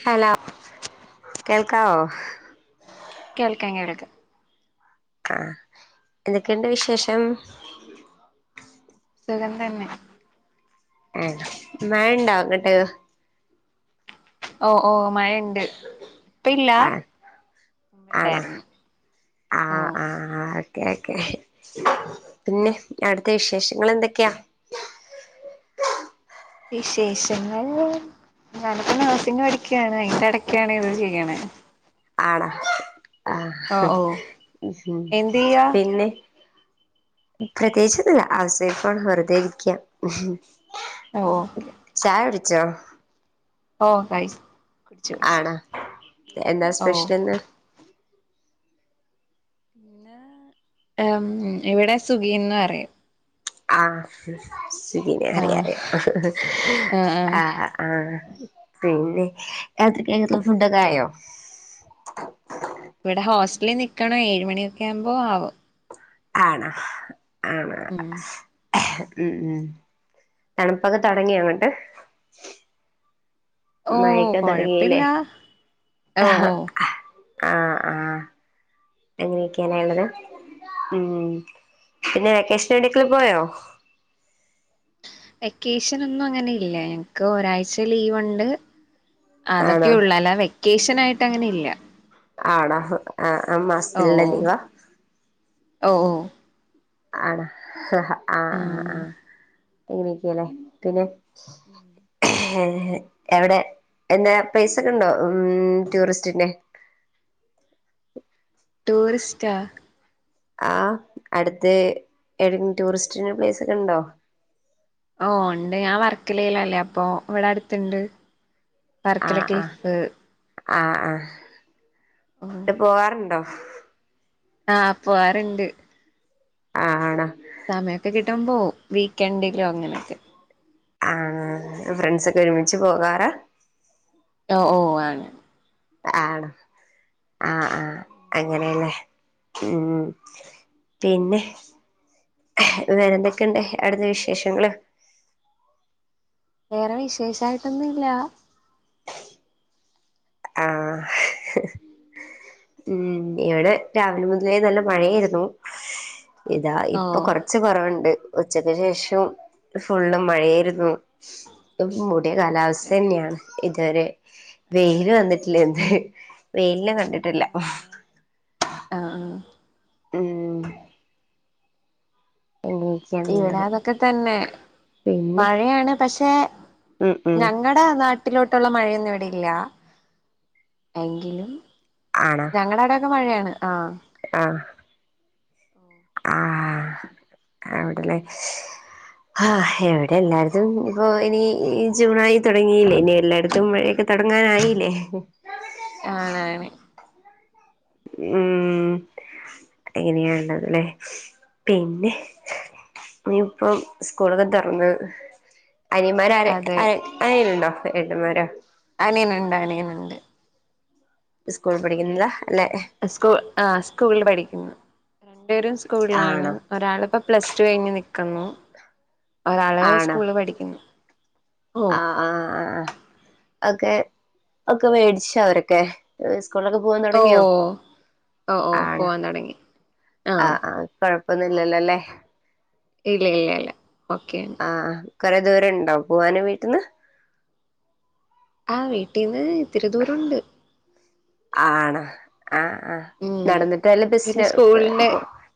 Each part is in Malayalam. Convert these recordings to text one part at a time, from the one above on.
ഹലോ കേൾക്കാവോ? കേൾക്കാൻങ്ങിടക്ക് ആഹ് എന്തൊക്കെയുണ്ട് വിശേഷം? സുഖംതന്നെ ഹേ മഴണ്ടോ അങ്ങട്ട് ഓഹ് ഓഹ് മഴണ്ട് ആഹ് ആണോ ആഹ ഓ ആഹ് ഒക്കെ ഓക്കെ പിന്നെ അടുത്തെ വിശേഷങ്ങള് എന്തൊക്കെയാ? വിശേഷങ്ങൾ... ഞാനപ്പോ നഴ്സിങ് പടിക്കയാണ് അയിന്റെ ഇടക്കാണ് ഇത് ചെയ്യണ ആണാേ ആഹ് എന്ത് ചെയ്യാ പിന്നെ പ്രത്യേകിച്ചന്നൂല്ല ഔസ് വൈഫാണ് വെറുതെ ഇരിക്ക്യാ ഓക്കെക്കെ [unintelligible] ഓഹ് കൈച്ച് ആണ എന്താ ഓ സ്പെഷ്യൽന്ന് പിന്നെ ഇവിടെ സുഖീന്ന് പറയും ആഹ് സ്വഗ്ഗിന് ആ അറിയ ആ ആഹ പിന്നെരാത്രിക്കതെ ഫുണ്ടക്കായോ? ഇവിടെ ഹോസ്റ്റലിൽ നിക്കണ് ഏഴ് മണിയൊക്കെ ആവുമ്പോ ആവും ആണ ആണ ഉം ഉം ഉം തണുപ്പൊക്കെ തെടങ്ങിയ അങ്ങോട്ട് ഓഹ് കൊഴപ്പില്ല ഓഹ് ആഹ് ഓഹ് അങ്ങനെയൊക്കെയാണ് ഒള്ളത് ഉം പിന്നെ വെക്കേഷൻ എവിടേക്ക്ക്കിൽ പോയോ വെക്കേഷൻ ഒന്നും അങ്ങനെ ഇല്ല എനക്ക് ഒരാഴ്ച ലീവ്ണ്ട് ആണോ അതൊക്കെ ഉള്ള അല്ലാ വെക്കേഷൻ ആയിട്ട് അങ്ങനെ ഇല്ല. ആടാ ആഹ് ആ ഓ മാസത്തിലുള്ള ലീവാ ഓ ഓ ആണ ആഹ് ആഹ് ഉം ആഹ് എങ്ങനക്കല്ലേ പിന്നെ എവിടെ എന്താ പ്ലേസ് ഒക്കെ ഉണ്ടോ ഉ ടൂറിസ്റ്റിന്റെ ടൂറിസ്റ്റാ ആ അടുത്ത് ഏതെങ്കി ടൂറിസ്റ്റ് പ്ലേസ് ഉണ്ടോ ഓഹ് ഉണ്ട് ഞാൻ വർക്കലേലല്ലേ അപ്പൊ ഇവിടെ അടുത്തുണ്ട്. വർക്കല ആഹ് ആഹ് ക്ലിഫ് ഓ ട്ട് പോവാറുണ്ടോ ആഹ് പോവാറ്ണ്ട് ആഹ് ആണോ സമയമൊക്കെ കിട്ടുമ്പോ വീക്കെൻഡിലോ അങ്ങനൊക്കെ ആഹ് ഫ്രണ്ട്സൊക്കെ ഒരുമിച്ച് പോകാറാ ഓ ഓ ആഹ് ആണോ ആഹ് ആഹ് അങ്ങനെയല്ലേ ഉം പിന്നെ വേറെ എന്തൊക്കെയുണ്ട് അവിടുത്തെ വിശേഷങ്ങള് വേറെ വിശേഷായിട്ടൊന്നും ഇല്ലാ ആഹ് പിന്നെ ഇവിടെ രാവിലെ മുതലേ നല്ല മഴയായിരുന്നു ഇതാ ഓ ഇപ്പം കൊറച്ച് കുറവുണ്ട് ഉച്ചക്ക് ശേഷം ഫുള്ള് മഴയാരുന്നു മൂടിയ ഓക്കെ കാലാവസ്ഥ ഓക്കെ തന്നെയാണ് ഇതുവരെ വെയില് വന്നിട്ടില്ല എന്ത് വെയില് കണ്ടിട്ടില്ല ആഹ് ഹാ ഉം ഇവിടെ അങ്ങനെയൊക്കെയാണുള്ളത് അതൊക്കെ തന്നെ പിന്നെ മഴയാണ് പക്ഷെ ഉം ഉം ഞങ്ങടെ നാട്ടിലോട്ടുള്ള മഴയൊന്നും ഇവിടെയില്ല എങ്കിലും ആണോ ഞങ്ങടെ അവിടൊക്കെ മഴയാണ് ആഹ് ആഹ് ആഹ് അവിടലെ ആഹ് ഇവിടെ എല്ലായിടത്തും ഇപ്പോ ഇനി ജൂണായി തുടങ്ങിയില്ലേ ഇനി എല്ലായിടത്തും മഴയൊക്കെ ത തുടങ്ങാനായില്ലേ ആണാണ് ഉം അങ്ങനെയാ ഉള്ളത് ല്ലേ പിന്നെ ഇനിയിപ്പം സ്കൂളൊക്കെ തുറന്ന് അനിയമ്മാര് ആര് അതെ ആര് ആരേലുമുണ്ടോ എ ഏട്ടന്മാരോ അനിയനുണ്ട് അനിയനുണ്ട് സ്കൂളി പഠിക്കുന്നതാ അല്ലെ സ്കൂൾ ആഹ് സ്കൂളില് പഠിക്കുന്നു രണ്ടുപേരും സ്കൂളിലാണ് ആണോ ഒരാളിപ്പം പ്ലസ് ടു കഴിഞ്ഞ് നിക്കുന്നു ഒരാള് ആണോ സ്കൂളില് പഠിക്കുന്നു ഓഹ് ആഹ് ആഹ് ആ ആ ഒക്കെ ഒക്കെ മേടിച്ചോ അവരൊക്കെ സ് സ്കൂളിലൊക്കെ പോവാൻ തുടങ്ങിയോ ഓഹ് ഓഹ് ഓഹ് ആണ് പോവാൻ തൊടങ്ങി ആഹ് ഹാ കൊഴ പ്പം ഒന്നുല്ലല്ലോല്ലേ ഇല്ല ഇല്ല ഇല്ല ഓക്കെണ് കൊറേ ദൂരം ഇണ്ടോ പോവാന് വീട്ടിന്ന് ആഹ് വീട്ടീന്ന് ഇത്തിരി ദൂരമുണ്ട് ആണോ ആഹ് ആഹ് ഉം നടന്നിട്ടാ അല്ലേ ബസിലാ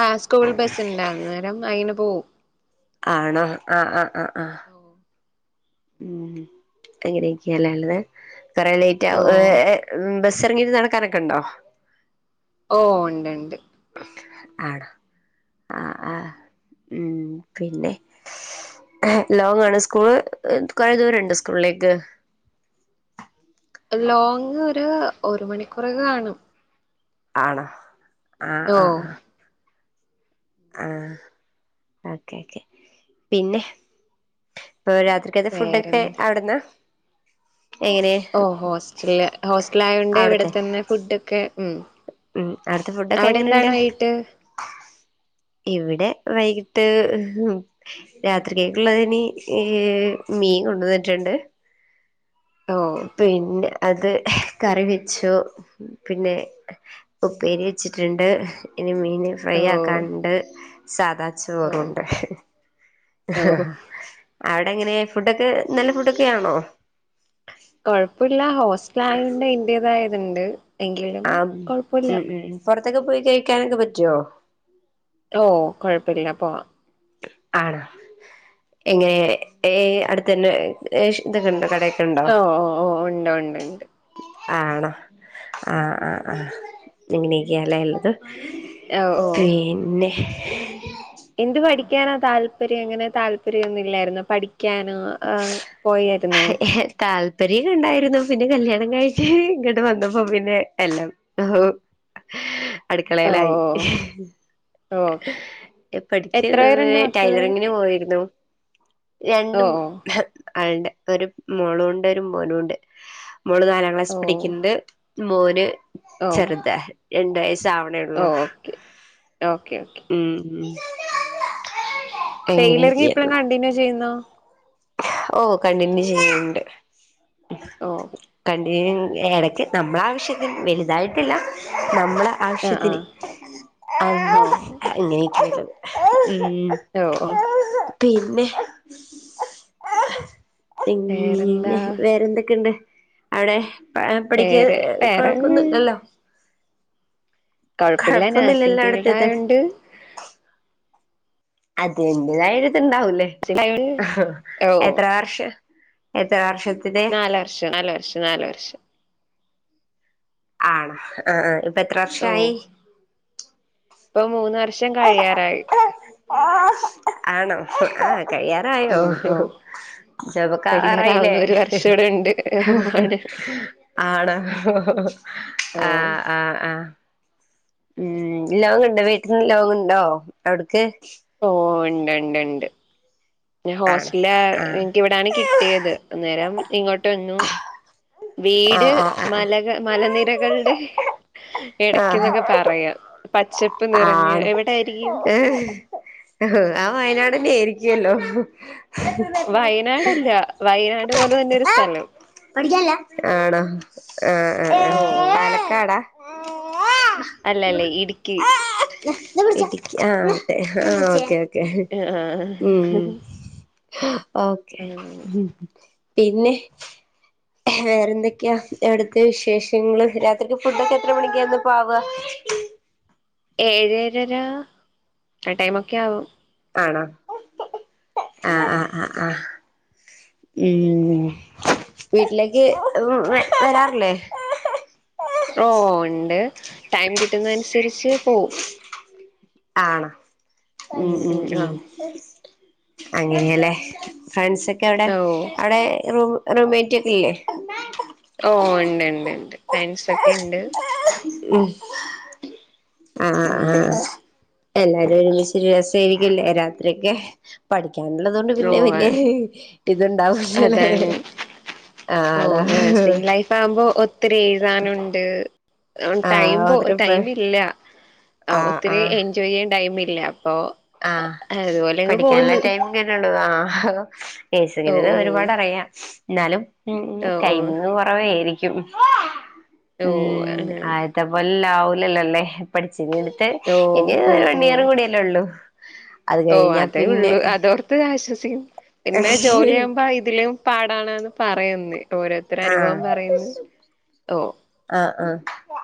ആഹ് സ്കൂൾ ബസ് ഇണ്ട് അന്നേരം അയിന് പോവും ആണോ ആഹ് ആഹ് ആഹ് ആഹ് ഉം അങ്ങനെയൊക്കെയല്ലേ ഉള്ളത് കൊറേ ലേറ്റ് ഓ ആവു ഉം ബസ് ഇറങ്ങീട്ട് നടക്കാനൊക്കെ ഉണ്ടോ ഓ ഉണ്ട്ണ്ട് ആണോ ആഹ് ആഹ് ഉം പിന്നെ ലോങ് ആണ് സ്കൂള് കുറേ ദൂരണ്ടോ സ്കൂളിലേക്ക് ലോങ് ഒരു ഒരു മണിക്കൂറൊക്കെകാണും ആണോ ആഹ് ആഹ് ആഹ് ഓക്കെ ഓക്കെ പിന്നെ ഇപ്പൊ രാത്രിക്കത്തെ ഫുഡൊക്കെ വേറെന്ത് അവിടുന്നാ എങ്ങനെ ഓ ഹോസ്റ്റല് ഹോസ്റ്റല് ആയോണ്ട് അവിടുത്തെ ഇവിടെത്തന്നെ ഫുഡൊക്കെ ഉം ഉം അവിടുത്തെ ഫുഡൊക്കെ അവിടെ എന്താണ് എങ്ങനെണ്ട് വൈകിട്ട് ഇവിടെ വൈകിട്ട് രാത്രി കേക്കുള്ളതിനി ഏഹ് മീൻ കൊണ്ട്ന്നിട്ടുണ്ട് ഓ പിന്നെ അത് കറി വെച്ചോ പിന്നെ ഉപ്പേരി വെച്ചിട്ടുണ്ട് ഇനി മീനി ഫ്രൈ ഓ ആക്കാണ്ട് സാധാ ഓ ച്ചോറുണ്ട് ഓ അവിടെ എങ്ങനെ ഫുഡൊക്കെ നല്ല ഫുഡൊക്കൊണോ കൊഴപ്പമില്ല ഹോസ്റ്റല ആയുകണ്ട് ഇന്റേതായതുണ്ട് ആ ഉം ഉ പുൊറത്തൊക്കെ പോയി കഴിക്കാനൊക്കെ പറ്റുവോ ഓ കൊഴപ്പമില്ല പോ ആണോ എങ്ങനെ അടുത്ത തന്നെ് ഇതൊക്കെണ്ട് കട ഓ ഓ ഓ ഉണ്ട് ഉണ്ട് ഉണ്ട് ആണോ ആ ആ ആ നിങ്ങനേക്കല്ലേല്ലത് ഓ ഓ പിന്നെ എന്ത് പഠിക്കാനാ താല്പര്യം എങ്ങനെ താല്പര്യംൊന്നുമില്ലായിരുന്നോ പഠിക്കാനോ ആ താല്പര്യം ഉണ്ടായിരുന്നു പിന്നെ കല്യാണം കഴട്ട് ഇങ്ങോട്ട് വന്നപ്പോ പിന്നെ എല്ലാം ഓ ഓ അടുക്കളയിലായി ഓ ഓ പഠിച്ച എത്ര പേരുണ്ട് [unintelligible] മക്കള് ടൈലറിങ്ങിന് പോയിരുന്നു ഓ രണ്ടും ഓ ആളുടെ ഒരു മോളുംണ്ട് ഒരു മോനുംണ്ട് മോള് നാലാം ക്ലാസ് ഓ പഠിക്കുന്നത് മൂന്ന് ഓ ചെറുതാ രണ്ട വയസ് ഓ അവിടെയള്ളൂ ഓക്കെ [inaudible] [unintelligible] ഉ ഉ ടെലറിങ് ഇപ്പഴും കണ്ടിന്യൂ ചെയ്യുന്നുോ ഓ കണ്ടിന്യൂ ചെയ്യണ്ട് ഓ എടയ്ക്ക് നമ്മള ആാവശ്യത്തിന് വലുതായിട്ടില്ല നമ്മള ആഹ് ആവശ്യത്തിന് ആഹ് ഓ അങ്ങനെയക്കത് ഉം ഓ ഓ ഉം പിന്നെ വേറെന്താ പിന്നെ വേറെന്തൊക്കെയുണ്ട് അവിടെ പഠിക്ക വേറെ വേറെ കൊഴപ്പൊന്നുംല്ലല്ലോ കുഴപ്പില്ല നഴ്സിങ് കൊഴപ്പൊന്നുംല്ലല്ലോ ഫീൽഡ് ആയ അവിടുത്തത് ഉണ്ട് അത എന്ന്റെതായിത്തി ഇണ്ടാവൂല്ലേ ആയോണ്ട് ഓ എത്ര വർഷം എത്ര വർഷ നാല വർഷം നാല വർഷം നാല വർഷം ആണോ ആ ആ ഇപ്പൊ എത്ര ഓ വർഷയി ഇപ്പൊ മൂന്ന് വർഷം കഴിയാറായി ആ ആണോ ആ കഴിയാറായോ ഉം ഓ ജപക്കാവാറായില്ലേ കഴിയാറാവുന്ന ഒരു വർഷം ഇവിടെ ഉണ്ട് ഓ ആണ് ആണ ആഹ ആഹ് ആഹ ഉ ഉം ലോങ്ങുണ്ടോ വീട്ടന്ന് ലോങ്ങുണ്ടോ അവിടക്ക് ഓ ഉണ്ട്ണ്ട് ഉണ്ട് ഞൻ ആണ് ഹോസ്റ്റല ആഹ് എനക്ക്ിവിടാണ് കിട്ടിയത് അന്നേരം ഇങ്ങോട്ടൊന്നു വീട് ആഹ് ആഹ് മലക മലനിരകളുടെ ആഹ് ഇടക്കന്നൊക്കെ പറയാ പച്ചപ്പ് നിറഞ്ഞ് ആണ് എവിടായിരിക്കും ആ വയനാട്ന്നെയ ആയിരി ല്ലോ വയനാട്ല്ല വയനാട് പോലെ തന്നെ ഒരു സ്ഥലം ആണോ ആ ഓ പാലക്കാടാ അല്ല അല്ലേ ഇടുക്ക്ി ഇ ആ മെ ആഹ [unintelligible] ഓക്കെ ഓക്കെ ഉം ആഹ് ഓക്കെ പിന്നെ. വേറെ എന്തൊക്കെയാ അവിട്ത്തെ വിശേഷങ്ങള് രാത്രിക്ക് ഫുഡ ഒക്കെ എത്ര മണിക്കാന്ന്പ്പാവാ. ഏഴ് ഏഴര ആ ടൈമൊക്കെ ആവും. ആണോ ആഹ് ഉം ആഹ് ആ ആഹ്. ഉം. വീട്ടിലേക്ക് വരാറില്ലേ? ഓ ഉണ്ട് ടൈം കിട്ടുന്നെ അനുസരിച്ച് പോവും. ആണോ ഉം ഉം ഉം അങ്ങനെയല്ലേ. ഫ്രണ്ട്സ് ഒക്കെ അവിടെ ഓ അവിടെ റൂ റൂമേറ്റൊക്കെല്ലേ? ഓ ഉണ്ട് ഉണ്ട് ഉണ്ട് ഫ്രണ്ട്സ് ഒക്കെ ഉണ്ട്. ഉം ആഹാ ആഹാ ഉം ആ എല്ലാരും ഒരുമിച്ച് രസായിരിക്കില്ലേ രാത്രിയൊക്കെ പഠി ക്കാനുള്ളത് കൊണ്ട് ഓ പിന്നെ വല്യ ആണ് ഇതുണ്ടാവില്യ ലേ. അതാണ് ഓ നഴ്സിംഗ് ലൈഫ് ആവുമ്പോ ഒത്തിരി എഴുതാനുണ്ട്. ടൈം ആഹ് പോ ഓതരപ്പ ടൈം ഇല്ല ആഹ് ഒത്തിരി എൻജോയ് ചെയ്യാൻ ടൈമില്ല. ആഹ പഠിക്കാന്ള്ള പോന്ന് ടൈം കിട്ടൊള്ളു ആ. ഹോ ഓ നൈസിറിങ്ങ് ഒരുപാട് അറിയാം എന്നാലും ഉം ഓ ഓ കൈവ് കുറവേരി. ക്കും ഓ ഓ ഉംം ആണ് ആദ്യത്തെപോലെ അല്ലാവലല്ലേ പഠിച്ചിരി എടുത്ത് ഓ ഇനി ഓ ഒരു ഓ വണിയറും കൂടിയല്ലേ ഉള്ളൂ. അത് ഓ കഴിഞ്ഞാ അതേ പിന്നെ ഉള്ളൂ അതോർത്ത് ആശ്വസിക്കാം പിന്നെ ജോലിയാ ആഹ് ആകുമ്പോ ഇതിലും പാടണന്ന് പറയുന്നേ. ഓരോരുത്തര അനുഭവം പറയുന്ന്. ഓ ആഹ ആ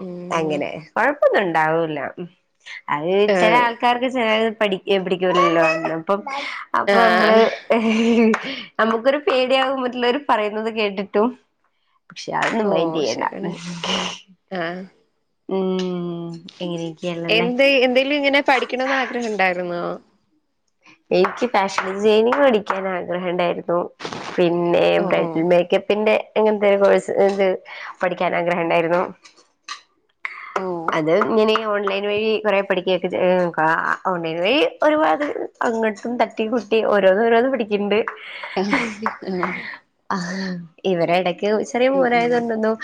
ഉം അങ്ങനെ കൊഴപ്പൊന്നു ണ്ടാവൂല്ല അത് ചില ആഹ് ആൾക്കാർക്ക് ചെലത് പഠിക്കു പിഠിക്കൂലല്ല അപ്പം അപ്പൊ നമ്മള്. ആഹ് നമുക്കൊരു പേടിയാകും മറ്റുള്ളവര് പറയുന്നത് കേട്ടിട്ടും. പക്ഷെ അതൊന്നും ഓ മെന്റ്യ്യണ്ട ശരിയാണ് ആഹ് ഉം. എങ്ങനെയൊക്കെയാണല്ലേ എന്ത് എന്തെലും ഇങ്ങനെ പഠിക്കണന്ന് ആഗ്രഹം ഉണ്ടായിരുന്നോ? എനിക്ക് ഫാഷൻ ഡിസൈനിങ് പഠിക്കാൻ ആഗ്രഹം ഉണ്ടായിരുന്നു. പിന്നെ ഓ ഓ ബ്രൈഡൽ മേക്കപ്പിന്റെ എങ്ങനത്തെ ഒരു കോഴ്സ് പഠിക്കാൻ ആഗ്രഹം ഉണ്ടായിരുന്നു. ഓ അത് ഇങ്ങനെ ഓൺലൈൻ വഴി കുറെേ പഠിക്കുകൊക്കെ ഓൺലൈൻ വഴി ഒരുപാട് അങ്ങോട്ടും തട്ടി ട്ടി ഓരോന് ഓരോന് പിടിക്കണ്ട്. ആഹ് ഓ ആ ഇവരെ ഇടക്ക് ചെറിയ ഉം മോനാ ഉം യോണ്ടെന്നും.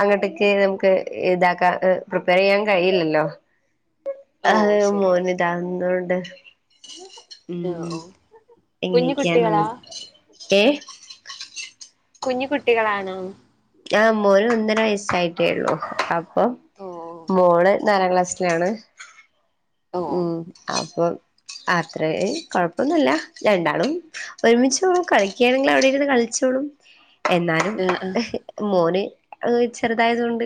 അങ്ങട്ടേക്ക്െ നമുക്ക് ഇതാക്കാ പ്രിപ്പയർ ചെയ്യാൻ കഴിയില്ലല്ലോ? ഓ ആ ശരിയാണ് മോന് താങ്ങുന്നുണ്ട് ഉം ഓ ഓ കുഞ്ഞു കുട്ടികളാ എങ്ങനെയൊക്കെയാന്ന് ഏ. കുഞ്ഞു കുട്ടികളാണോ? ആ മോന് ഒന്നര വയസ്സായിട്ടേള്ളു അപ്പൊ ഓ മോള് നാലാം ക്ലാസ്സിലാണ് ഓ ഓ ഉ അപ്പം. അത്രേ കൊഴപ്പൊന്നുമല്ല രണ്ടാളും ഒരുമിച് ആഹ് കളി ണെങ്കിൽ അവിടെ ഇരുന്ന് കളിച്ചോളും എന്നാലും. ആഹ് മോന് ചെറുതായതോ ണ്ട്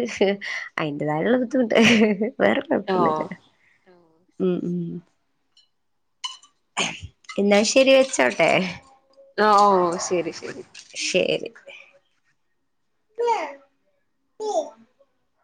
അയിന്റതായുള്ള ബുദ്ധിമുട്ട്. വേറെ കുഴപ്പൊന്നുല്ല. ഓ ഓ ഉം ഉ എന്നാൽ ശരി വെച്ചോട്ടെ. ആ ഓ ശരി ശരി. ശരി. [inaudible]